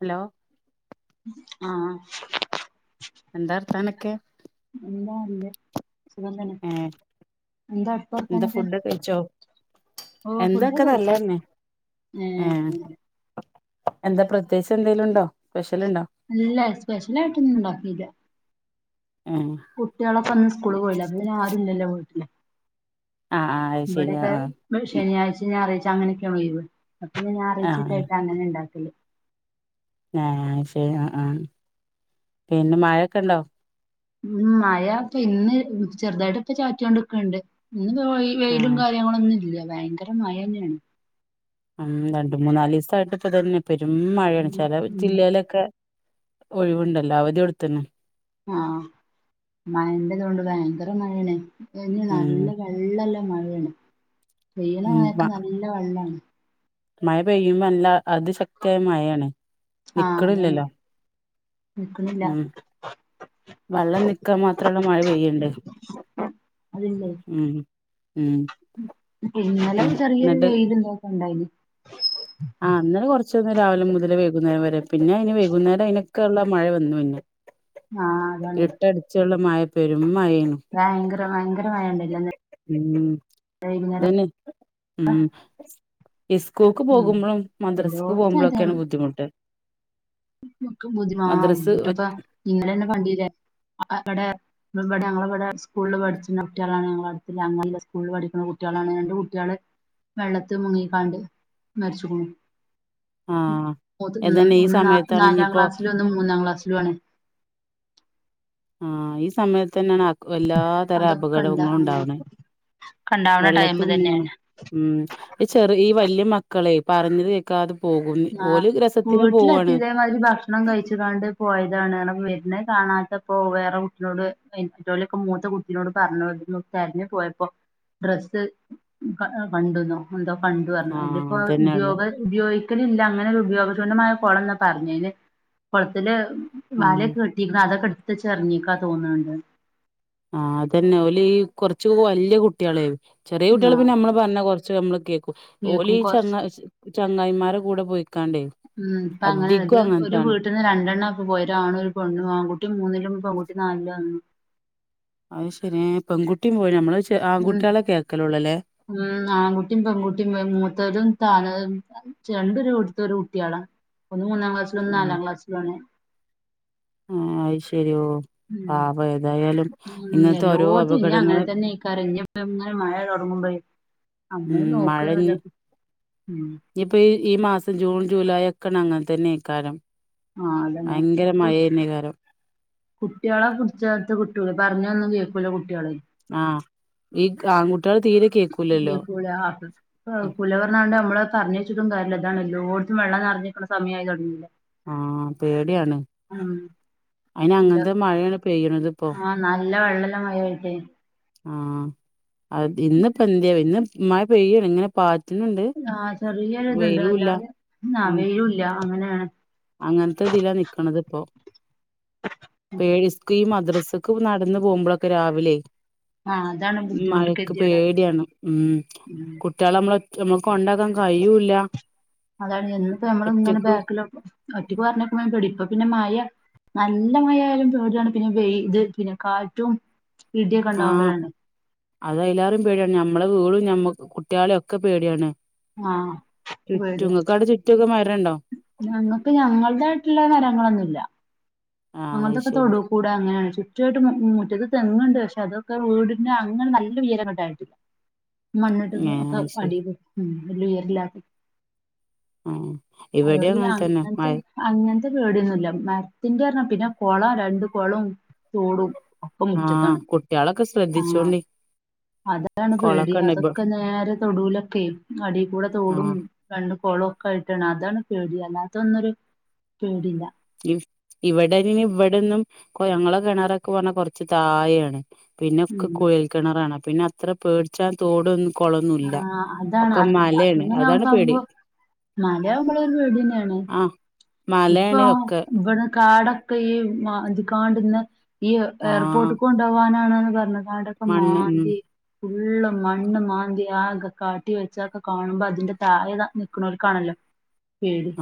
Hello ആഹ് എന്താ വർത്താനൊക്കെ എന്താ നല്ലത് സുഖം തന്നെ ഏ എന്താ എന്താ അവ്ട്തെവർത്താനൊക്കെ ഫുഡൊക്കെ കഴിച്ചോ ഓഹ് എന്തൊക്കെ ഫുഡൊക്കെകഴിച്ചു നല്ലതന്നെ ഏ എന്താ പ്രത്യേകിചെന്തേലും ഉണ്ടോ സ്പെഷ്യല്ണ്ടോ ഇല്ല സ്പെഷ്യലായിട്ടൊന്നും ഉണ്ടാക്കിയില്ല ഏഹ് കുട്ട്യാളൊക്കെ ഒന്നും സ്കൂള് പോയില്ല അപ്പൊ ആരും ഇല്ലല്ലോ വീട്ടില് ആ ആ അത് ശരി ആ ഇവിടെക്കെ ആ ശനിയാഴ്ച്ചിം ഞാഒരാഴ്ച അങ്ങനൊക്കെയൊള്ളു ലീവ് അപ്പൊ ഞാൻ ഞാറാഴ്ചൊക്കെ ആയിട്ട് ആ അങ്ങനെ ഉണ്ടാക്കല് ഏഹ് ആഹ്ശരി ആ ആ പിന്നെ മഴൊക്കെണ്ടോ ഉം മയ ഇപ്പൊ ഇന്ന് ചെറുതായിട്ട് ഇപ്പ ചാറ്റിയോണ്ട്ക്ക്ണ്ട് ഇന്ന് പോയി ആ വെയിലും കാര്യങ്ങളുംന്നും ഇല്ല്യ ഭയങ്കര മഴ തന്നെയാണ് ഉം രണ്ട് മൂന്നാലീസായിട്ട് ഇപ്പ ഇതന്നെ പെരും മഴയാണ് ചെലേ ഉം ജില്ലയിലൊക്കെ ഒഴിവുണ്ടല്ലോ അവധി കൊടുത്ത്ണ്ണ് ആഹ് മഴന്റെതോണ്ട് ഭയങ്കര മഴേണ് ഇനി ഉം നല്ല വെള്ളള്ള മഴേണ് ഉം മ മഴക്ക് നല്ല വെള്ളാണ് മഴ പെയ്യുമ്പോ നല്ല അത് ശക്തിയായ മഴയാണ് നി ആഹ് അതാണ് നിക്കണില്ലല്ലോ നിക്കണില്ല ഉം വെള്ളം നിക്കാൻ മാത്രള്ള മഴ പെയ്യ്ണ്ട് അതില്ലേ ഉം ഉം ഇന്നലെ ചെറിയൊരു എന്നിട്ട് വെയിലുംതൊക്കെണ്ടായിനി ആ ഇന്നലെ കുറച്ചൊന്നു രാവിലെ മുതൽ വൈകുന്നേരം വരെ പിന്നെ ഇനി വൈകുന്നേരം അതിനൊക്കെയള്ള മഴ വന്നു പിന്നെ. ആഹ് അതാണ് ഇരിട്ടടിച്ചുള്ള മഴ. പെരും മഴേണ്. ഭയങ്കര ഭയങ്കര മഴണ്ടല്ലെ. ഉം. തന്നെ ഉം. സ്കൂളിൽക്ക് ഉം പോകുമ്പോഴും, മദ്രസക്ക് എല്ലോടത്തും പോകുമ്പോഴൊക്കെയാണ്, ബുദ്ധിമുട്ട്. [unintelligible] മദ്രസ് എന്നിട്ട്പ്പോ ഇന്നലെന്നെ കണ്ടീലെ അവിടെ ഞങ്ങളെ ഇവിടെ സ്കൂളിൽ പഠികുന്ന കുട്ടികളാണ്. ഞങ്ങളെ അടുത്ത് അങ്ങാടിയിലെ സ്കൂളിൽ പഠിക്കുന്ന കുട്ടികളാണ് രണ്ട് കുട്ടികള്. വെള്ളത്ത് മുങ്ങിക്കാണ്ട്. മരിച്ച്ക്ണു. ആഹ് അതന്നെ ഈ ഒന്ന് സമയത്താണ് നാലാം ഇനിയിപ്പോ ക്ലാസ്സിലും, ഒന്ന് മൂന്നാം ക്ലാസ്സിലു ആണ്. ആഹ് ഈ സമയത്ത് തന്നെയാണ് അതി എല്ലാ തരം അതൊക്കെ ഇണ്ട അപകടങ്ങളും അങ്ങനെ ഉണ്ടാവണ് ക്കണ്ടാവണ വെള്ളത്തി ടൈമ് തന്നെയാണ് മുങ്ങ്ണെ. ഉം ഈ ചെറിയ ഈ വലിയ മക്കളെ പറഞ്ഞത് കേൾ ക്കാതെ പോകും. ഓര് രസത്തിന് പോവുവാണ് അതെ മാതിരി ഭക്ഷണം കഴിച്ചുക്കാണ്ട് പോയതാണ് അങ്ങനെ വരണേ കാണാത്തപ്പോ വേറെ കുട്ടിനോട് മറ്റോലൊക്കെ മൂത്ത കുട്ടിനോട് പറഞ്ഞുന്ന് തെരഞ്ഞു പോയപ്പോ ഡ്രസ്സ് കണ്ടന്നോ, എന്തോ കണ്ടു പറഞ്ഞു അതി ആഹ് ഇപ്പോ അതന്നെയള്ള ഉപ ഉപയോഗി ക്കലില്ല അങ്ങനെരു ഉപയോഗ ശൂന്യമായ കുളന്നാ പറഞ്ഞെ, കുളത്തില് വാല ആഹ് ഒക്കെ കെട്ടി കെട്ടികുനു. അതൊക്കെ എടുത്ത് വെച്ച് ഇറങ്ങിയൊക്കാ തോന്നുന്നുണ്ട്. ആ അതന്നെ ഓൽ ഈ കുറച്ച വലിയ കുട്ടികളെ, ചെറിയ കുട്ടികള് പിന്നെ ആഹ് നമ്മള് പറഞ്ഞ കൊറച്ച് നമ്മള് കേ കും. ഓലി കേക്കും കൊറച്ച് ചങ്ങ ചങ്ങായിമാരെ കൂടെ പോയിക്കാണ്ടെ ഉം ഇപ്പ അങ്ങനെള്ളത്. ഇത് ഒരു വീ വീട്ടീന്ന് രണ്ടെണ്ണാ ഇപ്പൊ പോയത്. ഒരു ആണും, ഒരു പെണ്ണും. ആൺകുട്ടി മൂന്നിലും പെൺകുട്ടി നാലിലും ആണ് തോന്നുന്നു. അത് ശരി. ഏ പെൺകുട്ടിയും പോയിണോ. നമ്മള് ഉം ആൺകുട്ടികളെ കേക്കലോള്ളല്ലേ ഉം ആൺകുട്ടിയും പെൺകുട്ടിയുംപോയി. മൂത്തതും താന്നതും. രണ്ടും ഒരു വീട്ടിത്തെ കുട്ടിയള. ഒന്ന് മൂന്നാം ക്ലാസ്സിലും ഒന്ന് ആ നാലാം ക്ലാസ്സില ആണ്. ആഹ് അത് ശരിയോ. ഉം പാവം ഏതായാലും ഇന്നത്തെ ഓരോ അപകടങ്ങള് ക്കാരപ്പോ. ഇങ്ങനെ മഴ തുടങ്ങുമ്പയെ. ഉം നമ്മള് നോക്കഎന്നല്ലാതെ. ഉം ഇനിയിപ്പൊ ഈ മാസം ജൂൺ, ജൂലൈ ഒക്കെയണ്. അങ്ങനെ തന്നെ ഏക്കാരം. ആഹ് അതന്നെ കു കുട്ടികളെ പുടിച്ചോടത് കിട്ടൂല. പറഞ്ഞൊന്നും കേക്കൂല കുട്ടികൾ. ആഹ് ഈ ആൺകുട്ടികള് തീരെ കേക്കൂലല്ലോ കേകൂല. ആഹ് കേകൂല. പറഞ്ഞാണ്ട് നമ്മള് പറഞ്ഞയിച്ചിട്ടും കാര്യല്ല. ഇതാണ് എല്ലോടത്തും വെള്ളം നിറഞ്ഞിരിക്ക്ണ സമയമായി തുടങ്ങില്ലെ. ആഹ് പേടിയാണ്. അയിന് ഇല്ല അങ്ങനത്തെ മഴയാണ് പെയ്യണത് ഇപ്പോ. ആഹ് നല്ല വെള്ളല്ല മഴ ആയ്യിട്ടേ. ആഹ് അ ഇന്നപ്പോ എന്തേ ആവോ. ഇന്ന് മഴ പെയ്യല്ല ഇങ്ങനെ പാറ്റ ആഹ് ചെറിയൊരു ഇതുണ്ട്. അല്ലാതെ ഉം വെയിലുല്ല അങ്ങനൊണ്. അങ്ങനത്തെ ഇതിലാ നിക്കണത് ഇപ്പൊ. [unintelligible] ഈ മദ്രസക്ക് ന നടന്ന് പോകുമ്പോഴൊക്കെ രാവിലെ ആഹ് അതാണ് ബുദ്ധിമുട്ട് മഴക്ക് കെതിയേട് പേടിയാണ്. ഉം കുട്ടികളെ നമ്മള് നമ്മക്ക് കൊണ്ടാക്കാൻ കയ്യുല്ല ഒറ്റക്ക് ഹലോ. ഒറ്റക്ക് പറഞ്ഞയക്കണേ പേടി. ഇപ്പ പിന്ന മഴ നല്ല മഴയാലും പേടി ആണ്. പിന്നെ വെയ് ത് പിന്നെ കാറ്റും ഇടിയൊക്ക ഇണ്ടാവുമ്പഴാണ്. അതിഅയിലാരിം പേടിയാണ്. ഞമ്മള വീടും ഞമ്മക്ക്‌ കുട്ടികളെ ഒക്കെ പേടിയാണ്. ആഹ് ചുറ്റും ഇങ്ങക്കവ്ട ചുറ്റു ഒക്കെ മരണ്ടോ? ഞങ്ങക്ക് ഞങ്ങൾതായ്ട്ടുള്ള മരങ്ങളൊന്നുല്ല. ആഹ് ഞങ്ങൾതൊക്ക അയ്ശരി തൊടു കൂട അങ്ങനാണ്. ചുറ്റു ആയ്ട്ട് മു മുറ്റത്ത് തെങ്ങ്ണ്ട് പക്ഷെ അതൊക്ക വീട്ന്റ അങ്ങ്ന നല്ല ഉയരങ്ങെട്ടായ്ട്ട്ല്ല. മണ്ണിട്ട്ന്ന് ഏഹ് ഒക്ക അയ്ശരി അടീല് ഉം വല്യ ഉയരെല്ലാത്തത്. ആഹ് ഇവിടെ അയോണ്ട് പിന്നെ അങ്ങനെ തന്നെ അങ്ങൻത്തെ മഴ അങ്ങൻത്തെ പേടിയൊന്നുല്ല. മര്ത്തിന്റ പറഞ്ഞാ പിന്നെ കൊളാ. രണ്ട് കൊളും തോടും. ഒക്കെ ആഹ് മുറ്റത്താണ് കുട്ട്യാളെക്ക ആ ശ്രദ്ധിച്ചോണ്ടി. അതാണ് പേടി കൊളൊക്കെ ഉണ്ട് ഇപ്പൊ അതൊക്ക നേരെ തൊടൂലൊക്കെ അടീക്കൂടെ തോടും. ആഹ് രണ്ട് കൊളും ഒക്കായ്ട്ടാണ്. അതാണ് പേടി. അല്ലാത്തൊ ഒന്നൊര് പേടില്ല. ഇവ് ഇവടെങ്ങ്ന് ഇവടെന്നും കൊ ഞങ്ങളെ കെണറൊക്ക പറഞ്ഞാ കൊറച്ച് തായേണ്. പിന്ന ഒക്ക ഉം കുയൽക്കിണറാണ് അപിന്ന അത്ര പേട്ച്ചാൻ തോടൊന്നും ആ കൊളൊന്നുല്ല. അതാണ് ഒക്ക മലേണ് അതാണ് പേടി. മലയാവുമ്പളും ഒര് പേട്യെന്നേണ്. ആഹ് ഇപ്പൊ മലയാണ് ഒക്കെ ഇവ്ട കാടൊക്ക ഈ മാന്തി കാണ്ട്ന്ന് ഇയ് ആഹ് എർപോർട്ട്ക്ക്‌ കൊ ണ്ടോവാനാണ്ന്ന് പറഞ്ഞ് കാണ്ടൊക്കെ മണ്ണ് ഉം മാന്തി ഫുള്ള് മണ്ണ് മാന്തി യാകെ കാട്ടി വെച്ച ഒക്ക കാണുമ്പ അതിൻ്റെ തായെ ദാ നിക്ക്‌ണോൽക്കാണല്ലോ.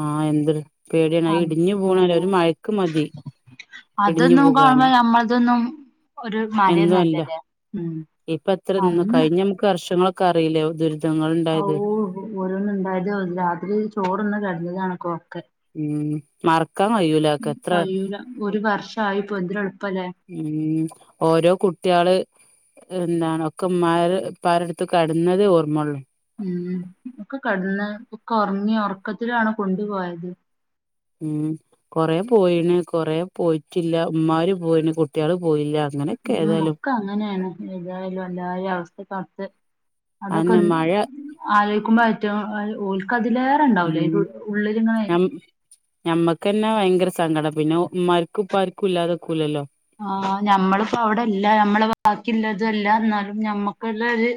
ആഹ് എന്തൊര് പേടിയാണ് അത് അയിട്ഞ്ഞ് ആഹ് വീണാലൊര് മയക്ക് മതി. ഇടിഞ്ഞു അതൊന്നും കാണുമ്പം ഞമ്മൾതൊന്നും ഒരു എന്നു അല്ല. മലയൊന്നല്ലല്ലേ ഉം ഇപ്പ എത്രെ ന്ന് അന്ന് കയ്ഞ്ഞ മ്ക്ക് വർഷങ്ങളൊക്ക അറീല്ലേ ദുരിദ് ഔവൂ ഓരോന്നുണ്ടായത് ഒര് രാത്രി ചോറ്ന്ന് കെട്ന്നതാണ് കൊക്കെ. ഉം മർ ക്കാം കയൂല്ല. ഉം കയ്യൂല ഒര് വർഷായി പ്പോ എന്തര് എള്പ്പലേ. ഉം ഓരോ കുട്ട്യാള് എന്താണ് ഒക്ക ഉമ്മാര് ഉപ്പാ രെട്ത്ത് കട്ന്നതെ ഓർമ്മൊള്ളൂ. ഉം ഒക്ക കട്ന്ന് ഒക്ക ഒർങ്ങി ഒർക്കത്തിലാണ് കൊണ്ട്പോയത്. ഉം കൊറെ പോയ്ണ് കൊറെ പോയ്ട്ടില്ല ഉമ്മാര് പോയ്ണ് കുട്ട്യേള് പോയില്ലാ. ഉം ഒക്ക അങ്ങനേണ് ഏതായാലും എല്ലാരി അവസ്ഥക്കട്ത്ത് അന്നെ അതൊക്കന്ന് മഴ ആലോയ്ക്കുമ്പള് ഏറ്റവും ഓൽ ഓൽക്കതിലേ ക്കൊണ്ടാവൂലെ ഇത് ഉം ഉള്ള്ല്ങ്ങണെ ഞ ഞമ്മക്കന്നെ വയ്ങ്കര സങ്കടം പിന്നെ ഉമ്മാര്ക്കും ഉപ്പാര്ക്കും ഇല്ലാതെക്കൂലല്ലോ. ആഹ് ഞമ്മളിപ്പോ അവിടല്ല ഞമ്മള് ബാക്കില്ലതു അല്ല ഇന്നാലും ഞമ്മക്ക്‌ള്ളൊര്,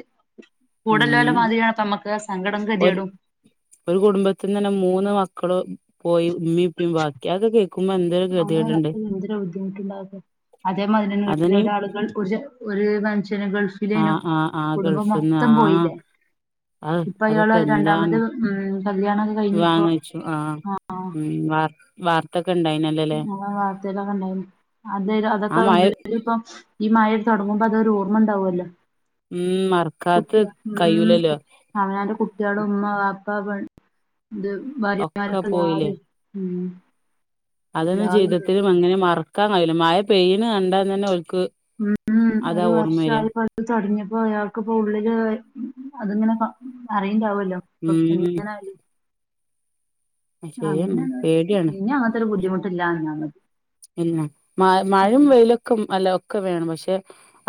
കൂടല്ലോല ഉം മാതിരിയാണ് ഇപ്പ മ്മക്കാ സങ്കടം ഒരു കെത്യേടും. ഒരു കുടുംബത്തിന്നെന്നെ മൂന്ന് മക്കള് പോയി. ഉമ്മി ഇപ്പിം ബാക്കി. അതൊക്ക കേ ക്കുമ്പ എന്തൊര് അങ്ങനെ കാട്ട്യാ എന്തൊര് ബുദ്ധിമുട്ട്ണ്ടതൊക്കെ. അതെ മാതിര്യെന്നെ അതിന് വീട്ട്ലൊരാള് ഗൾ പുരുഷ ഒര് മെൻഷന് ആ ഗൾഫിലേനു. ആ ആ കുടുംബം ഗൾഫ്ന്ന് മൊത്തം ആ പോയ്ല്ലേ. അ ഇപ്പ അയാള് അതൊക്കെ രണ്ടാമത് എന്താണ് ഉം കല്യാണൊക്ക കയ്ഞ്ഞ്പ്പൊ വാങ്ങിച്ചു ആഹ്. വാർത്തൊക്കണ്ടായ്ന ആഹ് വാർത്തേലൊക്കെണ്ടായ്നി. അതേലോ ആ അതൊക്ക മഴ ഉള്ളില് ഇപ്പം ഈ മയെട് തൊടങ്ങ്മ്പ അതൊര് ഓർമ്മ ഇണ്ടാവൊല്ലോ. ഉം മറക്കാത്ത് കുട്ട്യാ ഉം കയ്യൂലല്ലോ കുട്ട് അവനാന്റ കുട്ട്യേളും ഉമ്മാ വാപ്പ പെൺ ത് ഒക്കെ ഭാര്യമാരൊക്ക പോയില്ലേ എല്ലാരും. ഉം അതൊന്നും എല്ലാരും പോയി. ജീവിതത്തില് അങ്ങനെ മറക്കാൻ കയൂല്ല മയ പെയ്യിണെ കണ്ടാൽ തന്നെ ഓൽക്ക് ഉം അതാ ഒരു ഓർമ്മ വരിക വർഷായപ്പ ഇത് തൊടങ്ങിയപ്പം അയാൾക്ക് ഇപ്പം ഉള്ളില് അത്ങ്ങനെ പറയ്ണ്ടാവല്ലോ ഇപ്പം ഉം എങ്ങനായാലും ആഹ് ശരിയാണ് അങ്ങന്യാണ് പേടിയാണ് ഇഞ്ഞ് അങ്ങനത്തൊരു ബുദ്ധിമുട്ട് ഇല്ലാതിരുന്ന മതി പിന്നെ മഴിം വെയിലും ഒക്കെ അല്ല ഒക്കെ വേണം പക്ഷെ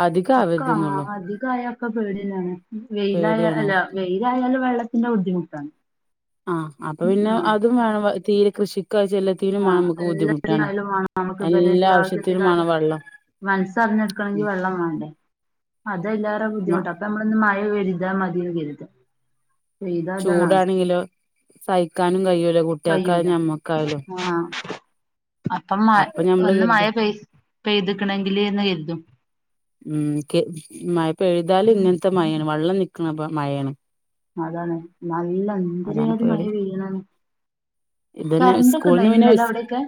അധികം ഒക്കെ ആഹ ആവരുതെന്നുള്ളു അധികായ ഒക്കെ പേട്യെന്നാണ് വെയിലായ പേടിയാണ് അല്ല വെയി യിലായാല് വെള്ളത്തിന്റെ ബുദ്ധിമുട്ടാണ് ആഹ് അപ്പം പിന്നെ ആഹ് അതും വേണം തീരെ കൃഷിക്കാവശ്യല്ലത് ത്തിര്മാം ആഹ് അമ്മക്ക് ബുദ്ധിമുട്ടാണ് എല്ലാത്തിനായാലും വേണം എല്ലാ ആവശ്യത്തിനും മാണം വെള്ളം മനസ് അറിഞ്ഞെടുക്കണെങ്കി ഉം വെള്ളം മാണ്ടേ അതയ്‌ലേറെ മ ബുദ്ധിമുട്ട അപ്പം ഞമ്മളൊന്ന് മഴ പെര്താ മതീന്ന് കരുതും ചൂടാണെങ്കിലൊ സഹിക്കാനും കയ്യൂല കയ്യൂല കുട്ടേക്കായാലും ഞമ്മക്കായാലും ആഹ് അപ്പം മ അപ്പൊ ഞമ്മള് ഒന്ന് മയ കരുതും പെയ് പെയ്ത്ക്ണെങ്കില്ന്ന് കരുതും ഉം കെ മയ ചെയ്താല് ഇങ്ങനത്തെ മയാണ് വെള്ളം നിക്ക്ണ മയാണ് അതാണ് നല്ല അതാണ് എന്തര്ജാതി പേടി മയാ പെയ്യിണേന്ന് ഇതന്നെ കറണ്ടെക്കെ സ്കൂളിന്ന് ഇണ്ടായിന് പിന്നെ ഇന്നലെ അവിടെക്കെ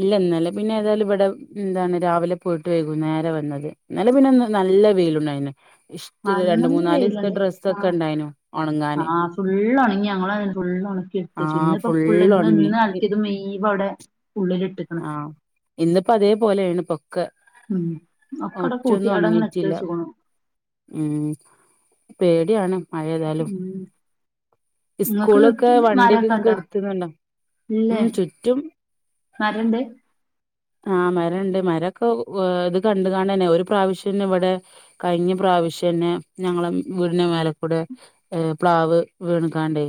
ഇല്ല ഇന്നലെ പിന്നെ ഏതായാലും ഇവടെ എന്താണ് രാവിലെ പോയിട്ട് വൈകുന്നേരാ വന്നത് ഇന്നലെ പിന്നെ നല്ല വെയ്ലുണ്ടായ്നു ഇഷ് ആഹ് ഇന്നൊന്ന് വെയ്ല്ണ്ട് ആഹ് ഉണങ്ങാന് ആഹ് ഫുള്ള് ഒണങ്ങി ഞങ്ങളാ ഫുള്ള് ഒണക്കി തച്ച് ആഹ് ഇന്ന് പ്പം ഫുള്ള് ഇന്ന് ഉണങ്ങി ഇന്നൽക്കേത് മുയ്വം അവുടെ ഉള്ള്ല്ട്ട് അഹ് ഇന്നിപ്പം അതേപോലെയാണ് ഇപ്പൊക്കെ ഉം ഒക്കടെ കൂട്ടി ഒറ്റൊന്നും അവിടെങ്ങനെ ഇട്ട് ഒണങ്ങീട്ടില്ല വെച്ച്ക്ക്ണു ഉം പേടിയാണ് മയ ഏതാലും ഉം ഇങ്ങക്ക് ഇസ്കൂളൊക്കെ ചുറ്റും വണ്ടിയൊക്കെ മരൊക്കെ ഇങ്ങക്ക് ഇണ്ടോ എടുത്തുന്നുണ്ടോ ഇല്ലേ ഉം ചുറ്റും മരണ്ട് ആഹ് മരണ്ട് മരൊക്കെ ഏഹ് ഇത് കണ്ട് കണ്ടെന്നെ ഒരു പ്രാവശ്യന്നെ ഇവടെ കയിഞ്ഞ പ്രാവശ്യന്നെ ഞങ്ങളെ വീടിന്റെ മേലക്കൂടെ ഏ പ്ലാവ് വീണ്ക്കാണ്ടേ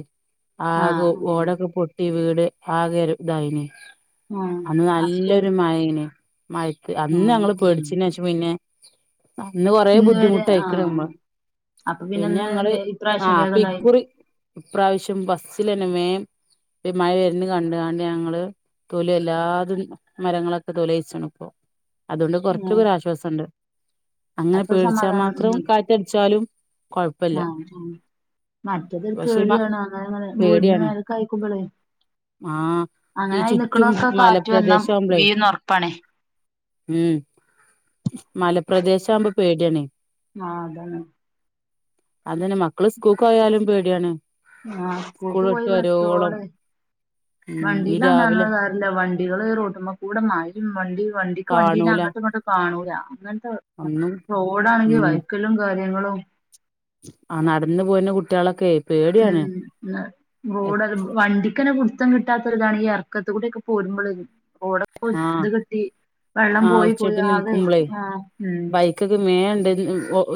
ആകെ ആഹ് ഓടൊക്കെ പൊട്ടി വീട് ആകെ ഒരു ഇതായിന് ആഹ് അന്ന് അപ്പൊ നല്ലൊരു മയേനി മയത്ത് അന്ന് ആഹ് ഞങ്ങള് ഉം പേടിച്ചിനേശം പിന്നെ അന്ന് കൊറേ ഇന്ന് വരെ ബുദ്ധിമുട്ടായിക്ക്ണ് ആഹ് നമ്മ അപ്പൊ പിന്നെ പിന്നെന്ന് ഞങ്ങള് വേ ഇപ്രാവശ്യം ആഹ് അപ്പം വേഗണ്ടായി ഇക്കുറി ഇപ്രാവശ്യം ഫസ്റ്റിലെന്നെ വേം ഈ മയ വര്ണ കണ്ട്കാണ്ട് ഞങ്ങള് തൊലി എല്ലാതും മരങ്ങളൊക്കെ തൊലയിച്ച്ണ് ഇപ്പം അതോണ്ട് ഉം കൊറച്ചൊക്കൊരാശ്വാസണ്ട് അങ്ങനെ അപ്പൊ പേടിച്ചാൻ സമാധാനം മാത്രം കാറ്റടിച്ചാലും കൊഴ ആഹ ഉം മറ്റതൊരു പക്ഷെ മ പേടിയാണ് അങ്ങനെ അങ്ങനെ വീടിന് പേടിയാണ് മേലക്കായിക്കുമ്പളെ ആഹ് ഈ അങ്ങനായി ചുറ്റും നിക്ക്ണോക്കെ കാറ്റ് വന്നാ മലപ്രദേശം ആവുമ്പളേ വീഴുന്ന് ഒറപ്പാണേ ഉം മലപ്രദേശവുമ്പം പേടിയാണേ ആഹ് അതാണ് അതെന്നെ മക്കള് സ്കൂൾക്ക് പോയാലും പേടിയാണ് ആഹ സ്കൂൾ സ്കൂൾക്ക് പോയി വിട്ട് ഇവടെ വരോളം എത്തോളെ ഉം ഇനി വണ്ടിയിലാണ്ന്ന് രാവിലെ പറഞ്ഞിട്ട് കാ എന്താ വണ്ടികള് റോട്ടുമ്മകൂടെ മഴി വണ്ടിം വണ്ടിക്ക് വണ്ടീനെ കാണൂല അങ്ങട്ടുംങ്ങട്ടും കാണൂല അങ്ങനത്തെ ഒന്നും റോഡാണെങ്കി വൈക്കലും കാര്യങ്ങളും ആഹ് നടന്ന് പോരണ കുട്ടികളൊക്കെ പേടിയാണ് ഉം ന റോഡരുമ്പം വണ്ടി ക്കെന്നെ പുട്ത്തം കിട്ടാത്തൊരുതാണ് ഈ എറക്കത്ത് കൂടെ ഒക്കെ പോരുമ്പള് റോടൊക്കെ ആ ഇത് കെട്ടി വെള്ളം ആ പോയി പോയി ആകെ ആഹ് ഉം ക്കൊക്കെ മേം ഇണ്ട്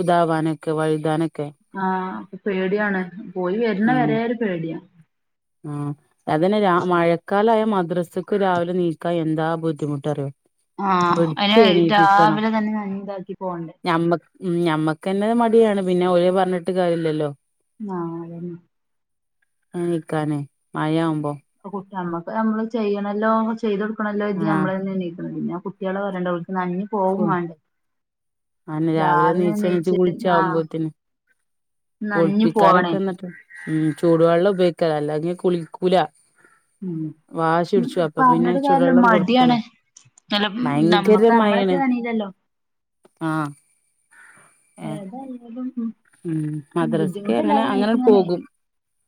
ഇതാവാനൊക്കെ വഴുതാനൊക്കെ ആഹ് അപ്പം പേടിയാണ് പോയി വര്ണ വരേ ഒരു പേടിയാ ആഹ് അതന്നെ മഴക്കാലായ മദ്രസക്ക് രാവിലെ നീക്കാൻ എന്താ ബുദ്ധിമുട്ടറിയോ ആഹ് അയ്ൻ പിടിച്ച് രാവിലെ തന്നെ ഞൻ ഇതാക്കി പോണ്ടേ മ്മക്ക് ഉം ഞമ്മക്കന്നെ മടിയാണ് പിന്നെ ഓലെ പറഞ്ഞിട്ട് കാര്യല്ലല്ലോ ആഹ് അതന്നെ ആഹ് നിക്കാനേ മഴയാവുമ്പോ കുട്ടി നമ്മുക്ക് നമ്മള് ചെയ്യണല്ലോ ചെയ്ത കൊടുക്കണമല്ലോ എന്ന് കരുതി ആ നമ്മളന്നെണീക്കണത് പിന്നെ കുട്ടികള പറയണ്ട ഓൽക്കെന്നാല് അയന്നെ രാവിലെ എണീച്ചണീച്ച് എണീച്ച് ആ കുളിച്ചാകുമ്പോത്തിന് നനഞ്ഞ് കുളിപ്പിക്കാനൊക്കെ പോവണേ എന്നിട്ട് ഉം ചൂടുവെള്ളം ഉപയോഗിക്കല അല്ലാങ്കി കുളിക്കൂല വാശി ഉം പിടിച്ചു അപ്പൊ പിന്നെ പറഞ്ഞട്ട് കാര്യല്ല ചുടുവെള്ളം കൊടുക്കല മടിയാണ് നല്ല ഭയങ്കര നമ്മക്ക് നമ്മളൊക്കെ മഴയാണ് തണീലല്ലോ ആഹ് ഏഹ് ഏതായാലും ഉം മദ്രസക്ക് അങ്ങനെ ബുദ്ധിമുട്ടില്ലാതെ അങ്ങന നിനക്കിങ്ങനെ പോകും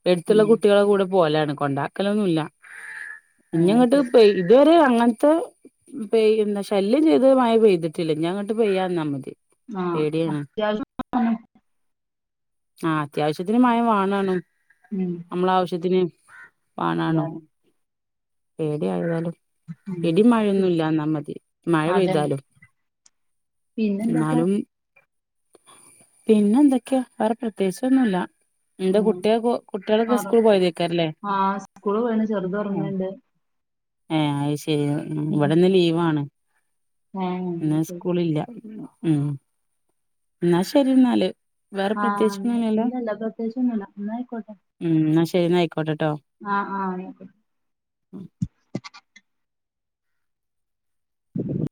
എടുത്തുള്ള ഉം കുട്ടികളെ കൂടെ പോലാണ് കൊണ്ടാക്കലൊന്നുല്ല അത് ഇനിങ്ങോട്ട് ശരി പെയ് ഇതേവരെ അങ്ങനത്തെ പെയ്യുന്ന ശല്യം ചെയ്ത് മഴ പെയ്തിട്ടില്ല ഇനി അങ്ങോട്ട് പെയ്യാതിരുന്നാ മതി ആഹ് പേടിയാണ് അത്യാവശ്യം ആഹ് അത്യാവശ്യത്തിന് മയ വാണാണം ഉം നമ്മള ആവശ്യത്തിന് വാണാണോ അതാണ് പേടി ആയാലും ഉം ഇടി മഴയൊന്നും ഇല്ലാന്നാ മതി മഴ പെയ്താലും പിന്നെന്തൊക്കാ എന്നാലും പിന്നെ എന്തൊക്കെയ വേറെ പ്രത്യേകിച്ചൊന്നുല്ല എന്റെ ഉം കുട്ട്യേകൊ കുട്ട്യേളൊക്കെ സ്കൂൾ പോയതേക്കാരൊ ല്ലേ ആ സ്കൂള് പോയിണ് ചെറുത് ഉം ഉറങ്ങണ്ട് ഏഹ് അയ്ശരി ഉം ഇവിടെന്ന് ലീവാണ് പിന്നാ ഏ സ്കൂളില്ല ഉം എന്നാ ശരി എന്നാല് വേറെ ആഹ് പ്രത്യേകിച്ചൊന്നുല്ലല്ലോ ഇല്ലല്ല പ്രത്യേകിച്ചൊന്നുല്ല എന്നായിക്കോട്ടെ ഉം എന്നാ ശരി എന്നാ ആയിക്കോട്ടെട്ടോ ആഹ് ആഹ് ഉം